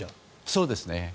そうですね。